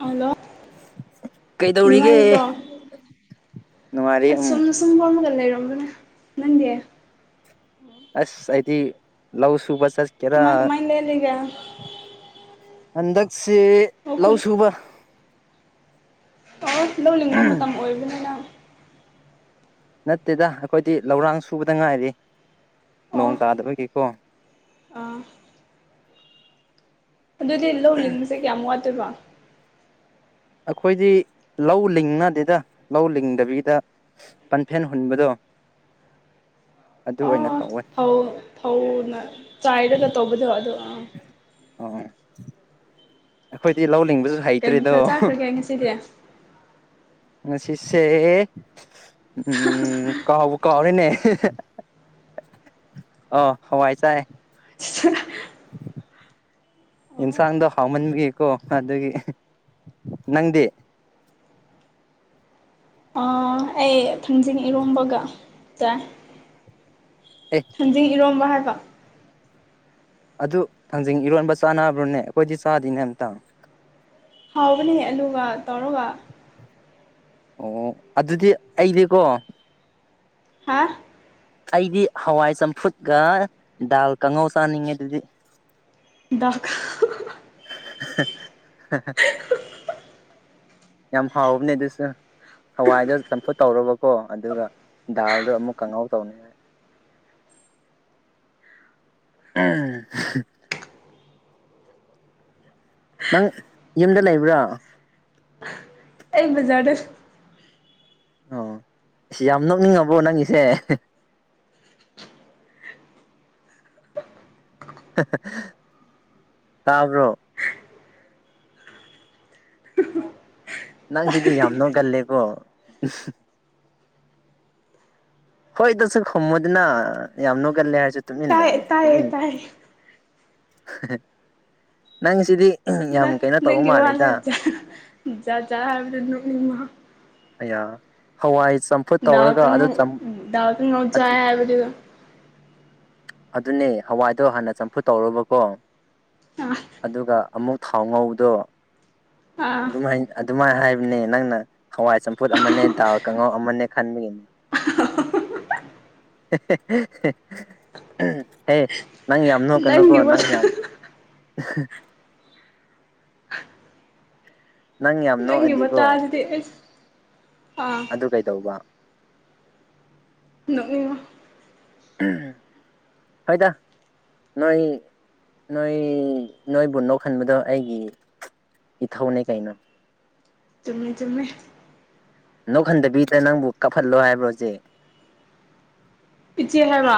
hello ꯀꯩꯗꯧꯔꯤꯒꯦ ꯅꯨꯡꯉꯥꯏꯔꯤꯕ꯭ꯔꯣ ꯅꯨꯡꯉꯥꯏꯔꯤ ꯑꯁ ꯎꯝ ꯁꯨꯝꯅ ꯁꯨꯝ ꯐꯝꯃꯥꯒ ꯂꯩꯔꯝꯕꯅꯦ ꯅꯪꯗꯤ ꯑꯁ ꯑꯩꯗꯤ ꯂꯧ ꯁꯨꯕ ꯆꯠ ꯀ‌ꯦꯔꯥ ꯀꯃꯥꯏ ꯀꯃꯥꯏ ꯂꯦꯜꯂꯤꯒꯦ ꯑꯣ ꯍꯟꯗꯛꯁ‌ꯦ ꯂꯧ ꯈꯨꯟ ꯁꯨꯕ ꯑꯣ ꯂꯧꯂꯤꯡꯕ ꯃꯇꯝ ꯑꯣꯏꯕꯅꯔꯥ ꯅꯠꯇꯦꯗ ꯑꯩꯈꯣꯏꯗꯤ ꯂꯧꯔꯥꯡ ꯁꯨꯕꯗ ꯉꯥꯏꯔꯤ ꯑꯣ ꯅꯣꯡ ꯇꯥꯗꯕꯒꯤ ꯀꯣ ꯑꯥ ꯑꯗꯨꯗꯤ ꯂꯧ ꯂꯤꯡꯕꯁꯦ ꯀꯌꯥꯝ ꯋꯥꯠꯇꯣꯏꯕ ꯑꯩꯈꯣꯏꯗꯤ ꯂꯧ ꯂꯤꯡꯅꯗꯦꯗ ꯂꯧ ꯂꯤꯡꯗꯕꯤꯗ ꯄꯟꯐꯦꯟ ꯍꯨꯟꯕꯗꯣ [inaudible] ꯑꯗꯨ ꯑꯣ ꯑꯣꯏꯅ ꯇꯧꯋ‌ꯦ ꯐꯧ ꯐꯧꯅ ꯆꯥꯏꯔꯒ ꯇꯧꯕꯗꯣ ꯑꯗꯣ [unintelligible] ꯑꯩꯈꯣꯏꯗꯤ ꯂꯧ ꯂꯤꯡꯕꯁꯨ ꯀꯩ ꯍꯩꯇ꯭ꯔꯦꯗꯣ ꯃꯊ‌ꯦꯜ ꯆꯥꯈ꯭ꯔꯒꯦ ꯉꯁꯤꯗꯤ ꯉꯁꯤꯁꯦ ꯎꯝ ꯀꯕꯨ ꯀꯥꯎ ꯍꯣꯏꯅꯦ ꯑꯣ ꯍꯋꯥꯏ ꯆꯥꯏ [unintelligible] [inaudible] ꯌꯦꯟꯁꯥꯡꯗꯣ ꯍꯥꯎꯃꯟꯕꯒꯤꯀꯣ ꯑꯗꯨꯒꯤ ꯅꯪꯗꯤ ꯑꯥ ꯑꯩ ꯊꯥꯡꯖꯤꯡ ꯏꯔꯣꯝꯕꯒ ꯆꯥꯏ ꯑꯦ ꯊꯥꯡꯖꯤꯡ ꯏꯔꯣꯝꯕ ꯍꯥꯏꯕ ꯑꯗꯨ ꯊꯥꯡꯖꯤꯡ ꯏꯔꯣꯟꯕ ꯆꯥꯅꯕ꯭ꯔꯣꯅꯦ ꯑꯩꯈꯣꯏꯗꯤ ꯆꯥꯗꯤꯅꯦ ꯑꯝꯇ ꯍꯥꯎꯕꯅꯦ ꯑꯂꯨꯒ ꯇꯧꯔꯒ ꯑꯣ ꯑꯗꯨꯗꯤ ꯑꯩꯗꯤꯀꯣ ꯍꯥ ꯑꯩꯗꯤ ꯍꯋꯥꯏ ꯆꯝꯐꯨꯠꯀ ꯗꯥꯜ ꯀꯥꯡꯍꯧ ꯆꯥꯅꯤꯡꯉꯦ ꯑꯗꯨꯗꯤ ꯗꯥꯜ ꯈꯥ [unintelligible] ꯌꯥꯝ ꯍꯥꯎꯕꯅꯦ ꯑꯗꯨꯁꯨ ꯍꯋꯥꯏꯗꯣ ꯆꯝꯐꯨꯠ ꯇꯧꯔꯕꯀꯣ ꯑꯗꯨꯒ ꯗꯥꯜꯗꯣ ꯑꯃꯨꯛ ꯀꯥꯡꯍꯧ ꯇꯧ [unintelligible] ꯅꯪ ꯌꯨꯝꯗ ꯂꯩꯕ꯭ꯔꯥ ꯑꯩ ꯕꯖꯥꯔꯗ ꯑꯣ ꯏꯁ ꯌꯥꯝ ꯅꯣꯛꯅꯤꯡꯉꯕ꯭ꯔꯣ ꯅꯪꯒꯤꯁꯦ ꯇꯥꯕ꯭ꯔꯣ ꯅꯪꯁꯤꯗꯤ ꯌꯥꯝꯅ ꯀ‌‌ꯣꯒꯜꯂꯦꯀꯣ ꯍꯣꯏ ꯗꯁꯨ ꯈꯨꯝꯃꯨꯗꯅ ꯌꯥꯝ ꯅ‌ꯣꯒꯜꯂꯦ ꯍꯥꯏꯁꯨ ꯇꯥꯏ ꯑ‌ꯦ ꯇꯥꯏꯌꯦ ꯇꯥꯏꯌꯦ ꯅꯪꯁꯤꯗꯤ ꯌꯥꯝ ꯀꯩꯅꯣ ꯇꯧꯕ ꯃꯥꯜꯂꯦꯗ ꯖꯥ ꯖꯥ ꯍꯥꯏꯕꯗ ꯅ‌ꯣꯛꯅꯤꯡꯕ ꯑꯌꯥ ꯍꯋꯥꯏ ꯆꯝꯐꯨꯠ ꯗꯥꯜ ꯇꯧꯔꯒ ꯑꯗꯨ ꯀꯥꯡꯉꯧ ꯆꯝ ꯗꯥꯜ ꯁꯨ ꯉꯧ ꯆꯥꯏ ꯍꯥꯏꯕꯗꯨ ꯑꯗꯨꯅꯦ ꯍꯋꯥꯏꯗꯣ ꯍꯥꯟꯅ ꯆꯝꯐꯨꯠ ꯇꯧꯔ‌ꯣꯕꯀꯣ ꯑꯥ ꯑꯗꯨꯒ ꯑꯃꯨꯛ ꯊꯥꯎ ꯉꯧꯕꯗꯣ ꯑꯥ ꯑꯗꯨꯝ ꯃꯥꯏꯟ ꯑꯗꯨꯃꯥꯏ ꯍꯥꯏꯕꯅꯦ ꯅꯪꯅ ꯍꯋꯥꯏ ꯆꯝꯐꯨꯠ ꯑꯃꯅꯦ ꯗꯥꯜ ꯀꯥꯡꯍꯧ ꯑꯃꯅꯦ ꯈꯟꯕꯒꯤꯅꯦ [unintelligible] [unintelligible] ꯍꯦ ꯅꯪ ꯌꯥꯝ ꯅ‌ꯣꯛꯀꯅ‌ꯣꯀꯣ ꯅꯪꯒꯤ ꯅꯪ ꯋꯥꯇꯥ ꯌꯥꯝ ꯅꯪ ꯌꯥꯝ ꯑꯩꯒꯤ ꯅꯣꯛꯑꯗꯤꯀꯣ ꯃꯇꯥ ꯁꯤꯗꯤ ꯑꯩꯁ ꯑꯗꯨ ꯀꯩꯗꯧꯕ ꯅꯣꯛ ꯅꯤꯛꯉꯣ ꯍꯣꯏꯗ ꯅꯣꯏ ꯅꯣꯏ ꯅꯣꯏꯕꯨ ꯅꯣꯛꯍꯟꯕꯗꯣ ꯑꯩꯒꯤ ꯏ ꯊꯎꯅꯦ ꯀꯩꯅꯣ ꯆꯨꯝꯃꯦ ꯆꯨꯝꯃꯦ ꯅꯣꯛꯍꯟꯗꯕꯤꯗ꯭ꯔꯅ ꯅꯪꯕꯨ ꯀꯥꯞꯍꯜꯂꯣ ꯍꯥꯏꯕ꯭ꯔꯣ ꯍꯧꯖꯤꯛ ꯄꯆꯦ ꯍꯥꯏꯕ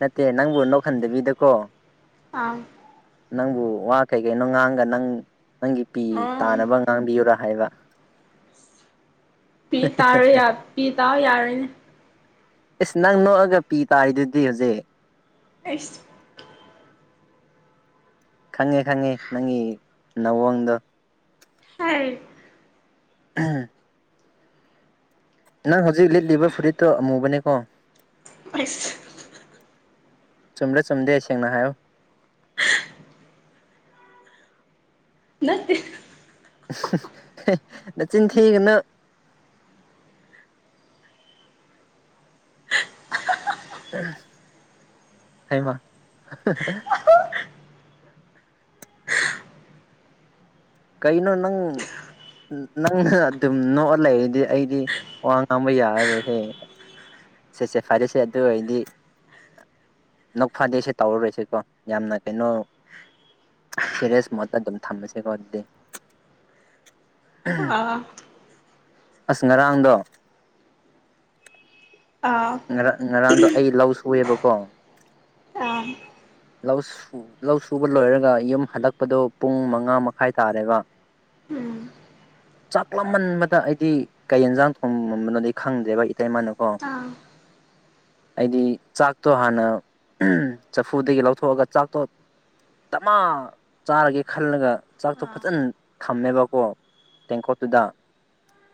ꯅꯠꯇꯦ ꯅꯪꯕꯨ ꯅꯣꯛꯈꯟꯗꯕꯤꯗꯀꯣ ꯑꯪ ꯅꯪꯕꯨ ꯋꯥ ꯀꯩ ꯀꯩꯅꯣ ꯉꯥꯡꯒ ꯅꯪ ꯅꯪꯒꯤ ꯄꯤ ꯑꯣ ꯇꯥꯅꯕ ꯉꯥꯡꯕꯤꯌꯨꯔꯥ ꯍꯥꯏꯕ ꯄꯤ ꯇꯥꯔꯦ ꯌꯥ ꯄꯤ ꯇꯥꯎ ꯌꯥꯔꯅꯦ ꯑꯦꯁ ꯅꯪ ꯅꯣꯛꯑꯒ ꯄꯤ ꯇꯥꯔꯤꯗꯨꯗꯤ ꯍꯧꯖꯤꯛ ꯑꯁ ꯈꯪꯉꯦ ꯈꯪꯉꯦ ꯅꯪꯒꯤ ꯅꯋꯡꯗꯣ ꯍ ꯎꯝ ꯅꯪ ꯍꯧꯖꯤꯛ ꯂꯤꯠꯂꯤꯕ ꯐꯨꯔꯤꯠꯇꯣ ꯑꯃꯨꯕꯅꯦꯀꯣ ꯑꯁ ꯆꯨꯝꯗ ꯆꯨꯝꯗꯦꯁꯦꯡꯅ ꯍꯥꯏꯌꯣ ꯅꯠꯇꯦ ꯅ ꯆꯤꯟꯊꯤꯒꯅꯨ ꯍꯩꯃ ꯀꯩꯅꯣ ꯅꯪ ꯅꯪꯅ ꯑꯗꯨꯝ ꯅꯣꯛꯑ ꯂꯩꯔꯗꯤ ꯑꯩꯗꯤ ꯋꯥ ꯉꯥꯡꯕ ꯌꯥꯔꯔꯣꯏꯍꯦ ꯁꯦ ꯁꯦ ꯐꯔꯦꯁꯦ ꯑꯗꯨ ꯑꯣꯏꯗꯤ ꯅ ꯐꯥꯗꯦꯁꯦ ꯇꯧꯔꯨꯔꯁꯦꯀꯣ ꯌꯥꯝꯅ ꯀꯩꯅꯣ ꯁꯤꯔꯤꯁ ꯃꯣꯠꯇ ꯑꯗꯨꯝ ꯊꯝꯃꯁꯦꯀꯣꯗꯤ ꯑꯥ ꯑꯁ ꯉꯔꯥꯡꯗꯣ ꯑꯥ ꯉꯔꯥꯡ ꯉꯔꯥꯡꯗꯣ ꯑꯩ ꯂꯧ ꯁꯨꯑꯦꯕꯀꯣ ꯑꯥ ꯂꯥꯎꯁ ꯂꯧ ꯁꯨꯕ ꯂꯣꯏꯔꯒ ꯌꯨꯝ ꯍꯜꯂꯛꯄꯗꯣ ꯄꯨꯡ ꯃꯉꯥ ꯃꯈꯥꯏ ꯇꯥꯔꯦꯕ ꯎꯝ ꯆꯥꯛꯂꯝꯃꯟꯕꯗ ꯑꯩꯗꯤ ꯀꯩ ꯌꯦꯟꯖꯥꯡ ꯊꯣꯡꯃꯝꯕꯅꯣꯗꯤ ꯑꯩ ꯈꯪꯗꯦꯕ ꯏꯇꯩ ꯃꯥꯅ ꯀꯣ ꯑ ꯑꯩꯗꯤ ꯆꯥꯛꯇꯣ ꯍꯥꯟꯅ ꯆꯐꯨꯗꯒꯤ ꯂꯧꯊꯣꯛꯑꯒ ꯆꯥꯛꯇꯣ ꯇꯞꯃ ꯆꯥꯔꯒꯦ ꯈꯜꯂꯒ ꯆꯥꯛꯇꯣ ꯑꯥ ꯐꯖꯅ ꯊꯝꯃꯦꯕꯀꯣ ꯇꯦꯡꯀꯣꯠꯇꯨꯗ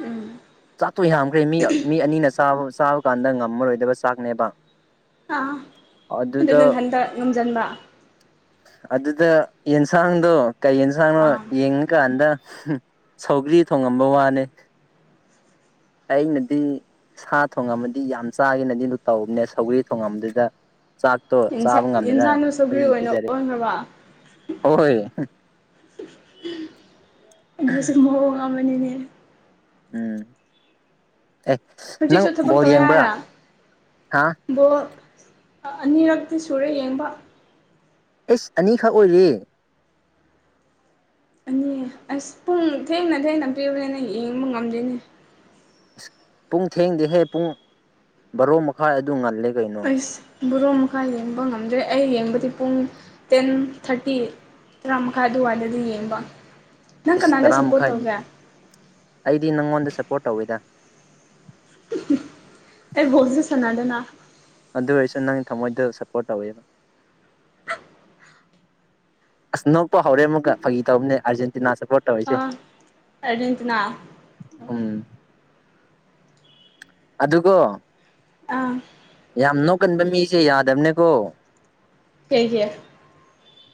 ꯎꯝ ꯆꯥꯛꯇꯣꯏ ꯌꯥꯝꯈ꯭ꯔꯦ ꯃꯤ ꯃꯤ ꯑꯅꯤꯅ ꯆꯥꯕ ꯆꯥꯕ ꯀꯥꯟꯗ ꯉꯝꯃꯔꯣꯏꯗꯕ ꯆꯥꯛꯅꯦꯕ ꯑꯥ ꯑꯗꯨ ꯑꯗꯨꯗ ꯅꯪ ꯈꯟꯕ ꯉꯝꯁꯤꯟꯕ ꯑꯗꯨꯗ ꯌꯦꯟꯁꯥꯡꯗꯣ ꯀꯩ ꯌꯦꯟꯁꯥꯡꯅꯣ ꯑꯥ ꯌꯦꯡ ꯍꯧꯖꯤ ꯀꯥꯟꯗ ꯁꯧꯒ꯭ꯔꯤ ꯊꯣꯡꯉꯝꯕ ꯋꯥꯅꯦ ꯑꯩꯅꯗꯤ ꯁꯥ ꯊꯣꯡꯉꯝꯃ ꯑꯗꯨ ꯌꯥꯝ ꯆꯥꯒꯦꯅꯗꯤ ꯑꯗꯨ ꯇꯧꯕꯅꯦ ꯁꯧꯒꯔꯤ ꯊꯣꯡꯉꯝꯗꯨꯗ ꯆꯥꯛꯇꯣ ꯌꯦꯟꯁꯥꯡ ꯆꯥꯕ ꯉꯝꯗꯅ ꯌꯦꯟꯁꯥꯡꯗꯣ ꯁꯧꯒ꯭ꯔꯤ ꯑꯩꯈꯣꯏ ꯑꯣꯏꯅ ꯄꯤꯖꯔꯦ ꯑꯣꯟꯈ꯭ꯔꯕ ꯍ ꯍꯣꯏ ꯑꯗꯨꯁꯨ ꯃꯑꯣꯡ ꯑꯃꯅꯤꯅꯦ ꯎꯝ ꯑꯦ ꯅꯪ ꯍꯧꯖꯤꯛꯁꯨ ꯕꯣꯜ ꯌꯦꯡꯕ꯭ꯔꯥ ꯍꯥ ꯕꯣ ꯑꯅꯤꯔꯛꯇꯤ ꯁꯨꯔꯦ ꯌꯦꯡꯕ ꯑꯦꯁ ꯑꯅꯤꯈꯛ ꯑꯣꯏꯔ ꯑꯅꯤ ꯑꯁ ꯄꯨꯡ ꯊꯦꯡꯅ ꯊꯦꯡꯅ ꯄꯤꯕꯅꯤꯅ ꯌꯦꯡꯕ ꯉꯝꯗꯣꯏꯅꯦ ꯄꯨꯡ ꯊꯦꯡꯗꯤ ꯍꯦ ꯄꯨꯡ ꯕꯥꯔꯣ ꯃꯈꯥꯏ ꯑꯗꯨ ꯉꯜꯂꯦ ꯀꯩꯅꯣ ꯑꯩꯁ ꯕꯣꯔꯣ ꯃꯈꯥꯏ ꯌꯦꯡꯕ ꯉꯝꯗ꯭ꯔꯦ ꯑꯩ ꯌꯦꯡꯕꯗꯤ ꯄꯨꯡ ꯇꯦꯟ ꯊꯥꯔꯇꯤ ꯇꯔꯥ ꯃꯈꯥꯏ ꯑꯗꯨꯋꯥꯏꯗꯗꯤ ꯌꯦꯡꯕ ꯅꯪ ꯏꯁ ꯀꯅꯥꯗ ꯇꯔꯥ ꯁꯞꯄꯣꯔꯠ ꯃꯈꯥꯏꯗꯤ ꯇꯧꯒꯦ ꯑꯩꯗꯤ ꯅꯪꯉꯣꯟꯗ ꯁꯞꯄꯣꯔꯠ ꯇꯧꯋꯦꯗ ꯑꯦ ꯕꯣꯜꯁꯨ ꯆꯁꯅꯗꯅ ꯑꯗꯨ ꯑꯣꯏꯔꯁꯨ ꯅꯪ ꯊꯃꯣꯏꯗ ꯁꯞꯄꯣꯔꯠ ꯇꯧꯋꯦꯕ ꯑꯁ ꯅꯣꯛꯄ ꯍꯧꯔꯦ ꯑꯃꯨꯒ ꯐꯥꯒꯤ ꯇꯧꯅꯦ ꯑꯔꯖꯦꯟꯇꯤꯅꯥ ꯁꯄꯣꯔꯠ ꯑ ꯑꯔꯖꯦꯟꯇꯤꯅꯥ ꯎꯝ ꯑꯗꯨꯀꯣ ꯑꯥ ꯌꯥꯝ ꯅꯣꯛꯀꯟꯕ ꯃꯤꯁꯦ ꯌꯥꯗꯕꯅꯦꯀꯣ ꯀꯩꯒꯤ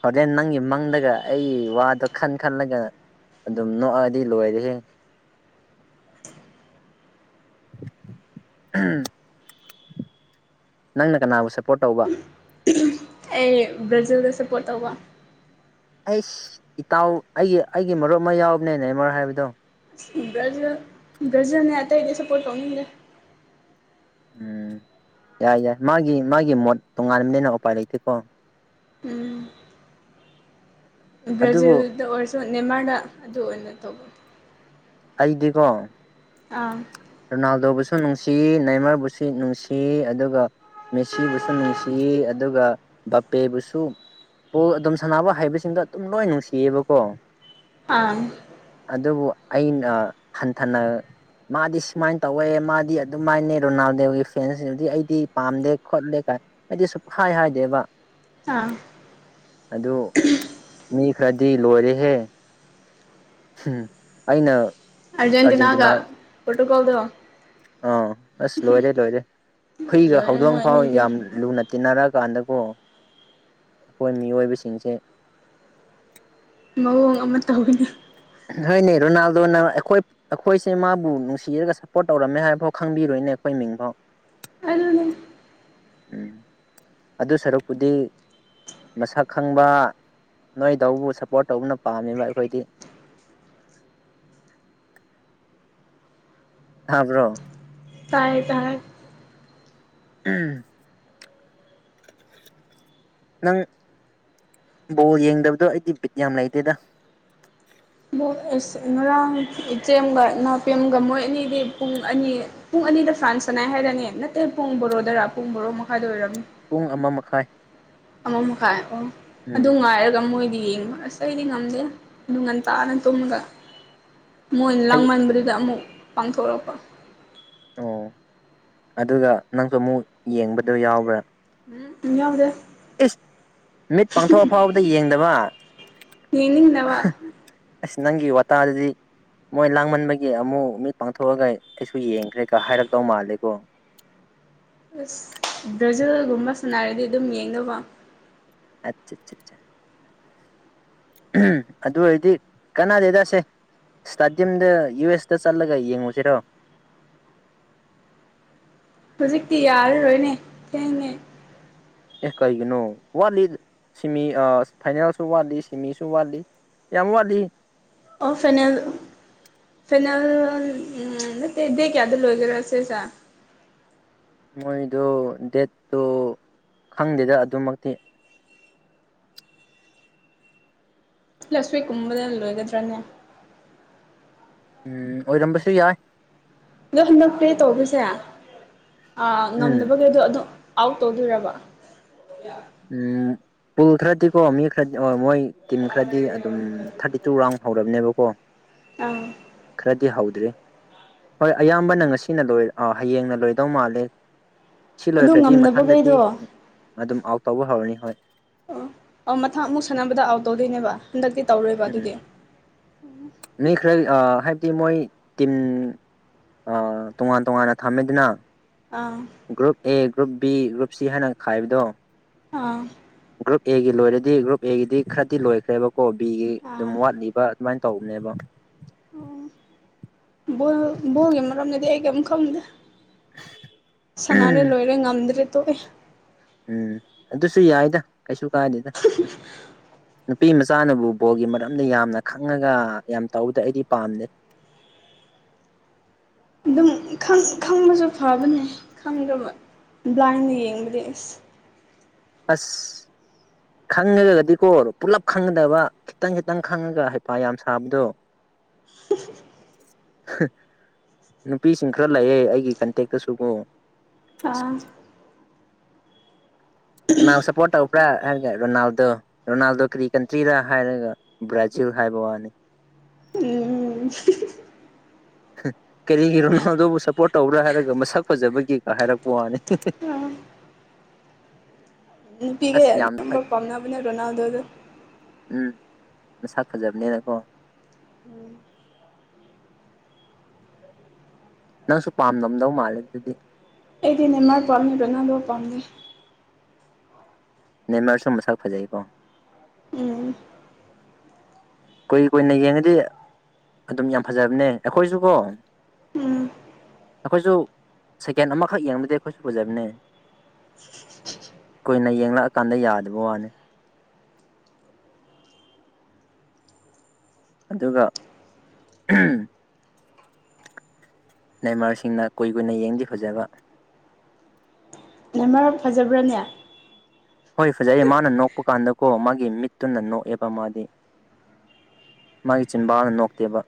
ꯍꯣꯔꯦꯟ ꯅꯪꯒꯤ ꯃꯪꯗꯒ ꯑꯩ ꯋꯥꯗꯣ ꯈꯟ ꯈꯜꯂꯒ ꯑꯗꯨꯝ ꯅꯣꯛꯑꯗꯤ ꯂꯣꯏꯔꯦꯍꯦ ꯎꯝ ꯅꯪꯅ ꯀꯅꯥꯕꯨ ꯁꯞꯄꯣꯔꯠ ꯇꯧꯕ ꯑꯩ ꯕ꯭ꯔꯖꯤꯜꯗ ꯁꯞꯄꯣꯔꯠ ꯇꯧꯕ ꯑꯩꯁ ꯏꯇꯥꯎ ꯑꯩꯒꯤ ꯑꯩꯒꯤ ꯃꯔꯨꯞ ꯑꯃ ꯌꯥꯎꯕꯅꯦ ꯅꯦꯃꯔ ꯍꯥꯏꯕꯗꯣ ꯒ꯭ꯔꯖ ꯒ꯭ꯔꯖꯔꯅꯦ ꯑꯇꯩꯗꯤ ꯁꯞꯄꯣꯔꯠ ꯇꯧꯅꯤꯡꯗꯦ ꯎꯝ ꯌꯥꯏ ꯌꯥꯏ ꯃꯥꯒꯤ ꯃꯥꯒꯤ ꯃꯣꯠ ꯇꯣꯉꯥꯟꯕꯅꯤꯅ ꯎꯄꯥꯏ ꯂꯩꯇꯦꯀꯣ ꯎꯝ ꯑꯗꯨꯕꯨ ꯕ꯭ꯔꯥꯖꯤꯜꯗ ꯑꯣꯏꯔꯁꯨ ꯅꯦꯃꯥꯔꯗ ꯑꯗꯨ ꯑꯣꯏꯅ ꯇꯧꯕ ꯑꯩꯗꯤꯀꯣ ꯑꯥ ꯔꯣꯅꯥꯜꯗꯣꯕꯨꯁꯨ ꯅꯨꯡꯁꯤ ꯅꯥꯏꯃꯔꯕꯨꯁꯨ ꯅꯨꯡꯁꯤ ꯑꯗꯨꯒ ꯃꯦꯁꯤꯕꯨꯁꯨ ꯅꯨꯡꯁꯤꯌꯦ ꯑꯗꯨꯒ ꯕꯄꯦꯕꯨꯁꯨ ꯄꯣ ꯑꯗꯨꯝ ꯁꯥꯟꯅꯕ ꯍꯥꯏꯕꯁꯤꯡꯗ ꯑꯗꯨꯝ ꯂꯣꯏ ꯅꯨꯡꯁꯤꯌꯦꯕꯀꯣ ꯑꯥ ꯑꯗꯨꯕꯨ ꯑꯩꯅ ꯍꯟꯊꯅ ꯃꯥꯗꯤ ꯁꯨꯃꯥꯏꯅ ꯇꯧꯋꯦ ꯃꯥꯗꯤ ꯑꯗꯨꯃꯥꯏꯅ ꯔꯣꯅꯥꯜꯗꯦꯒꯤ ꯐꯦꯟꯁꯤꯡꯗꯤ ꯑꯩꯗꯤ ꯄꯥꯝꯗꯦ ꯈꯣꯠꯂꯦ ꯀꯥꯏ ꯑꯩꯗꯤ ꯁꯨꯝ ꯍꯥꯏ ꯍꯥꯏꯗꯦꯕ ꯑꯥ ꯑꯗꯨ ꯃꯤ ꯈꯔꯗꯤ ꯂꯣꯏꯔꯦꯍꯦ ꯎꯝ ꯑꯏꯩꯅ ꯑꯔꯖꯦꯟꯇꯤꯅꯥꯒ ꯄ꯭ꯔꯣꯇꯣꯀꯣꯜꯗꯣ ꯑꯥ ꯑꯁ ꯂꯣꯏꯔꯦ ꯂꯣꯏꯔꯦ ꯍꯨꯏꯗꯣ ꯂꯣꯏꯔꯦ ꯍꯧꯗꯣꯡ ꯃꯣꯏ ꯐꯥꯎ ꯑꯅꯤꯗꯤ ꯌꯥꯝ ꯂꯨꯅ ꯇꯤꯟꯅꯔꯛꯑꯀꯥꯟꯗꯕꯨꯣ ꯑꯩꯈꯣꯏ ꯃꯤꯑꯣꯏꯕꯁꯤꯡꯁꯦ ꯃꯑꯣꯡ ꯑꯃ ꯇꯧꯒꯅꯤ ꯍꯣꯏꯅꯦ ꯔꯣꯅꯥꯜꯗꯣꯅ ꯑꯩꯈꯣꯏ ꯑꯩꯈꯣꯏꯁꯦ ꯃꯥꯕꯨ ꯅꯨꯡꯁꯤꯔꯒ ꯁꯞꯄꯣꯔꯠ ꯇꯧꯔꯝꯃꯦ ꯍꯥꯏꯕꯐꯥꯎ ꯈꯪꯕꯤꯔꯣꯏꯅꯦ ꯑꯩꯈꯣꯏ ꯃꯤꯡꯐꯥꯎ ꯑꯗꯨꯅꯦ ꯎꯝ ꯑꯗꯨ ꯁꯔꯨꯛꯄꯨꯗꯤ ꯃꯁꯛ ꯈꯪꯕ ꯅꯣꯏꯗꯕꯨ ꯁꯞꯄꯣꯔꯠ ꯇꯧꯕꯅ ꯄꯥꯝꯃꯦꯕ ꯑꯩꯈꯣꯏꯗꯤ ꯍꯥꯕ꯭ꯔꯣ ꯇꯥꯏ ꯇꯥꯏ ꯎꯝ ꯅꯪ ꯕꯣꯜ ꯌꯦꯡꯗꯕꯗꯣ ꯑꯩꯗꯤ ꯕꯤꯠ ꯌꯥꯝ ꯂꯩꯇꯦꯗ ꯉꯔꯥꯡ ꯏꯆꯦꯝꯒ ꯏꯅꯥꯄꯦꯝꯒ ꯃꯣꯏ ꯑꯅꯤꯗꯤ ꯄꯨꯡ ꯑꯅꯤ ꯄꯨꯡ ꯑꯅꯤꯗ ꯐ꯭ꯔꯥꯟꯁ ꯆꯅꯥꯏ ꯍꯥꯏꯔꯅꯦ ꯅꯠꯇꯦ ꯄꯨꯡ ꯕꯣꯔꯣꯗꯔ ꯄꯨꯡ ꯕꯣꯔꯣ ꯃꯈꯥꯏꯗ ꯑꯣꯏꯔꯝꯅꯤ ꯄꯨꯡ ꯑꯃ ꯃꯈꯥꯏ ꯑꯃ ꯃꯈꯥꯏ ꯑꯣ ꯑꯗꯨ ꯎꯝ ꯉꯥꯏꯔꯒ ꯃꯣꯏꯗꯤ ꯌꯦꯡꯉ ꯑꯁ ꯀꯗꯤ ꯉꯝꯗꯦ ꯅꯨꯡ ꯉꯟꯇꯥꯥꯅ ꯇꯨꯝꯃꯒ ꯃꯣꯏꯅ ꯍꯩ ꯂꯥꯡꯃꯟꯕ ꯗ ꯑꯃꯨꯛ ꯄꯥꯡꯊꯣꯔꯛꯄ ꯑꯣ ꯑꯗꯨꯒ ꯅꯪꯁꯨ ꯑꯃꯨꯛ ꯌꯦꯡꯕꯗꯣ ꯌꯥꯎꯕ꯭ꯔꯥ ꯎꯝ ꯌꯥꯎꯗꯦ ꯏꯁ ꯃꯤꯠ ꯄꯥꯡꯊꯣꯛꯑꯐꯥꯎꯕꯗ ꯌꯦꯡꯗꯕ ꯌꯦꯅꯤꯡꯟꯅ ꯋꯥ ꯑꯁ ꯅꯪꯒꯤ ꯋꯥꯇꯥꯗꯗꯤ ꯃꯣꯏ ꯂꯥꯡꯃꯟꯕꯒꯤ ꯑꯃꯨꯛ ꯃꯤꯠ ꯄꯥꯡꯊꯣꯛꯑꯒ ꯑꯩꯁꯨ ꯌꯦꯡꯈ꯭ꯔꯦ ꯀ ꯍꯥꯏꯔꯛꯇꯧ ꯃꯥꯜꯂꯦ ꯀꯣ ꯑꯁ ꯕ꯭ꯔꯥꯖꯤꯜꯒꯨꯝꯕ ꯁꯅꯔꯗꯤ ꯑꯗꯨꯝ ꯌꯦꯡꯅꯕ ꯑꯆꯥ ꯑ ꯎꯝ ꯑꯗꯨ ꯑꯣꯏꯔꯗꯤ ꯀꯅꯥꯗ ꯆꯁꯦ ꯏꯁꯇꯥꯗꯤꯌꯝꯗ ꯌꯨ ꯑꯦꯁꯇ ꯆꯠꯂꯒ ꯌꯦꯡꯉꯨꯁꯤꯔꯣ ꯍꯧꯖꯤꯛꯇꯤ ꯌꯥꯔꯔꯣꯏꯅꯦ ꯊꯦꯡꯉꯦ ꯑꯦ ꯀꯩꯒꯤꯅꯣ ꯋꯥꯠꯂꯤ ꯁꯤꯃꯤ ꯐꯥꯏꯅꯦꯜꯁꯨ ꯋꯥꯠꯂꯤ ꯁꯤꯃꯤꯁꯨ ꯋꯥꯠꯂꯤ ꯌꯥꯝꯃꯋꯥꯗꯤ ꯑꯣ ꯐꯩꯅꯜ ꯐꯦꯅꯥꯜ ꯎ ꯅꯠꯇꯦ ꯗꯦ ꯀꯌꯥꯗ ꯂꯣꯏꯒꯦꯔ ꯁꯤꯦ ꯁꯥ ꯃꯣꯏꯗꯨ ꯗꯦꯠꯇꯨ ꯈꯪꯗꯦꯗ ꯑꯗꯨꯃꯛꯇꯤ ꯂꯁꯋꯛ ꯀꯨꯝꯕꯗ ꯂꯣꯏꯒꯗ꯭ꯔꯥꯅꯦ ꯎꯝ ꯑꯣꯏꯔꯝꯕꯁꯨ ꯌꯥꯏ ꯑꯗꯣ ꯍꯟꯗꯛꯇꯦ ꯇꯧꯕꯔꯤꯁꯦ ꯑꯥ ꯎꯝ ꯉꯝꯗꯕꯒꯤꯗꯣ ꯑꯗꯣ ꯑꯥꯎꯠ ꯇꯧꯗꯔꯕ ꯎꯝ ꯄꯜꯊ꯭ꯔꯥꯗꯤ ꯀꯣ ꯃꯤ ꯈꯔꯗꯤ ꯑꯣ ꯃꯣꯏ ꯇꯤꯝ ꯈꯔꯗꯤ ꯑꯗꯨꯝ ꯊꯥꯔꯇꯤ ꯇꯨ ꯔꯥꯎꯟ ꯍꯧꯔꯕꯅꯦꯕ ꯀꯣ ꯑꯪ ꯈꯔꯗꯤ ꯍꯧꯗ꯭ꯔꯤ ꯍꯣꯏ ꯑꯌꯥꯝꯕꯅ ꯉꯁꯤꯅ ꯂꯣꯏ ꯑ ꯍꯌꯦꯡꯅ ꯂꯣꯏꯗꯧ ꯃꯥꯜꯂꯦ ꯁꯤ ꯑꯗꯨ ꯂꯣꯏꯈ꯭ꯔꯗꯤ ꯃꯊꯪꯗꯗꯤ ꯉꯝꯗꯕꯈꯩꯗꯣ ꯑꯣ ꯑꯗꯨꯝ ꯑꯥꯎꯠ ꯇꯧꯕ ꯍꯧꯔꯅꯤ ꯍꯣꯏ ꯑꯣ ꯑ ꯃꯊꯪ ꯑꯃꯨꯛ ꯁꯥꯟꯅꯕꯗ ꯑꯥꯎꯠ ꯇꯧꯗꯣꯏꯅꯦꯕ ꯍꯟꯗꯛꯇꯤ ꯇꯧꯔꯣꯏꯕ ꯎꯝ ꯑꯗꯨꯗꯤ ꯃꯤ ꯈꯔ ꯍꯥꯏꯕꯗꯤ ꯃꯣꯏ ꯇꯤꯝ ꯑ ꯇꯣꯉꯥꯟ ꯇꯣꯉꯥꯟꯅ ꯊꯝꯃꯦꯗꯨꯅ ꯑꯥ group A group B group ꯁꯤ ꯍꯥꯏꯅ ꯈꯥꯏꯕꯗꯣ ꯑꯥ ꯒ꯭ꯔꯨꯞ ꯑꯦꯒꯤ ꯂꯣꯏꯔꯗꯤ ꯒ꯭ꯔꯨꯞ ꯑꯦꯒꯤꯗꯤ ꯈꯔꯗꯤ ꯂꯣꯏꯈ꯭ꯔꯦꯕꯀꯣ ꯕꯤꯒꯤ ꯑꯥ ꯑꯗꯨꯝ ꯋꯥꯠꯂꯤꯕ ꯁꯨꯃꯥꯏꯅ ꯇꯧꯕꯅꯦꯕ ꯑꯣ ꯕ ꯕꯣꯒꯤ ꯃꯔꯝꯗꯗꯤ ꯑꯩ ꯀꯝꯨꯛ ꯈꯪꯗꯦ ꯁꯅꯥꯔꯦ ꯂꯣꯏꯔꯦ ꯉꯝꯗ꯭ꯔꯦ ꯇꯣꯛꯑꯦ ꯎꯝ ꯑꯗꯨꯁꯨ ꯌꯥꯏꯗ ꯀꯩꯁꯨ ꯀꯥꯏꯗꯦꯗ ꯎꯝ ꯅꯨꯄꯤ ꯃꯆꯥꯅꯕꯨ ꯕꯣꯜꯒꯤ ꯃꯔꯝꯗ ꯌꯥꯝꯅ ꯈꯪꯉꯒ ꯌꯥꯝ ꯇꯧꯕꯗ ꯑꯩꯗꯤ ꯄꯥꯝꯗ ꯑꯗꯨꯝ ꯈꯪꯕꯁꯨ ꯐꯕꯅꯦ ꯈꯪꯗꯕ ꯕ꯭ꯂꯥꯏꯟꯗ ꯌꯦꯡꯕꯗꯤ ꯑꯁ ꯑꯁ ꯈꯪꯉꯒꯒꯗꯤꯀꯣ ꯄꯨꯂꯞ ꯈꯪꯒꯗꯕ ꯈꯤꯇꯪ ꯈꯤꯇꯪ ꯈꯪꯉꯒ ꯍꯄꯥ ꯌꯥꯝ ꯁꯥꯕꯗꯣ ꯅꯨꯄꯤꯁꯤꯡ ꯈꯔ ꯂꯩꯌꯦꯦ ꯑꯩꯒꯤ ꯀꯟꯇꯦꯛꯇꯁꯨꯕꯨꯣ ꯑꯥ ꯀꯅꯥ ꯁꯞꯄꯣꯔꯠ ꯇꯧꯧꯕꯧꯕ꯭ꯔꯥ ꯍꯥꯏꯔꯒꯦ ꯔꯣꯅꯥꯜꯗꯣ ꯔꯣꯅꯥꯜꯗꯣ ꯀꯔꯤ ꯀꯟꯇ꯭ꯔꯤꯔꯥ ꯍꯥꯏꯔꯒ ꯕ꯭ꯔꯥꯖꯤꯜ ꯍꯥꯏꯕ ꯋꯥꯅꯤ ꯎꯝ [unintelligible] ꯀꯔꯤꯒꯤ ꯔꯣꯅꯥꯜꯗꯣꯕꯨ ꯁꯞꯄꯣꯔꯠ ꯇꯧꯕ꯭ꯔꯥ ꯍꯥꯏꯔꯒ ꯃꯁꯛ ꯐꯖꯕꯒꯤꯀꯥ ꯍꯥꯏꯔꯛꯄ ꯋꯥꯅꯤ [inaudible] ꯑꯥ ꯅꯨꯄꯤꯒꯩ ꯑꯁ ꯌꯥꯝ ꯑꯌꯥꯝꯕ ꯄꯥꯝꯅꯕꯅꯦ ꯔꯣꯅꯥꯜꯗꯣꯗꯣ ꯎꯝ ꯃꯁꯥꯛ ꯐꯖꯕꯅꯦꯅꯀꯣ ꯎꯝ ꯅꯪꯁꯨ ꯄꯥꯝꯅꯝꯗꯧ ꯃꯥꯜꯂꯦ ꯑꯗꯨꯗꯤ ꯑꯩꯗꯤ ꯅꯦꯃꯥꯔ ꯄꯥꯝꯃꯤ ꯔꯣꯅꯥꯟꯗꯣ ꯄꯥꯝꯗꯦ ꯅꯦꯃꯥꯔꯁꯨ ꯃꯁꯛ ꯐꯖꯩꯀꯣ ꯎꯝ ꯀꯨꯏ ꯀꯨꯏꯅ ꯌꯦꯡꯉꯗꯤ ꯑꯗꯨꯝ ꯌꯥꯝ ꯐꯖꯕꯅꯦ ꯑꯩꯈꯣꯏꯁꯨ ꯀꯣ ꯎꯝ ꯑꯩꯈꯣꯏꯁꯨ ꯁꯦꯀꯦꯟ ꯑꯃꯥꯈꯛ ꯌꯦꯡꯕꯗꯤ ꯑꯩꯈꯣꯏꯁꯨ ꯐꯖꯕꯅꯦ ꯀꯨꯏꯅ ꯌꯦꯡꯂꯛꯑꯥꯀꯥꯟꯗ ꯌꯥꯗꯕ ꯋꯥꯅꯤ ꯑꯗꯨꯒ ꯅꯦꯃꯥꯔꯁꯤꯡꯅ ꯀꯨꯏ ꯀꯨꯏꯅ ꯌꯦꯡꯉꯥꯗꯤ ꯐꯥꯖꯕ ꯅꯦꯃꯥꯔ ꯐꯖꯕ꯭ꯔꯥꯅꯦ ꯍꯣꯏ ꯐꯖꯩꯌꯦ ꯃꯥꯅ ꯅꯣꯛꯄ ꯀꯥꯟꯗꯀꯣ ꯃꯥꯒꯤ ꯃꯤꯠꯇꯨꯅ ꯅꯣꯛꯑꯦꯕ ꯃꯥꯗꯤ ꯃꯥꯒꯤ ꯆꯤꯟꯕꯥꯜꯅ ꯅꯣꯛꯇꯦꯕ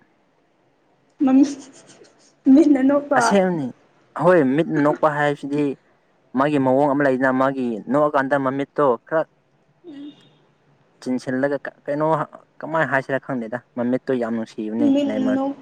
ꯃꯃꯤ ꯃꯃꯤꯠꯅ ꯅꯣꯛ ꯑꯁꯦꯡꯕꯅꯤ ꯑꯈꯣꯏ ꯃꯤꯠ ꯅꯣꯛꯄ ꯍꯥꯏꯕꯁꯤꯗꯤ ꯃꯥꯒꯤ ꯃꯑꯣꯡ ꯑꯃꯥ ꯂꯩꯗꯅ ꯃꯥꯒꯤ ꯅꯣꯛꯑꯥꯀꯥꯟꯗ ꯃꯃꯤꯠꯇꯣ ꯈꯔ ꯎꯝ ꯆꯤꯟꯁꯤꯜꯂꯒ ꯀꯩꯅꯣ ꯀꯃꯥꯏꯅ ꯍꯥꯏꯁꯤꯔꯥ ꯈꯪꯗꯦꯗ ꯃꯃꯤꯠꯇꯣ ꯌꯥꯝ ꯅꯨꯡꯁꯤꯕꯅꯦ ꯃꯤꯠꯅ ꯅꯦꯃꯥꯔ ꯅꯣꯛꯄ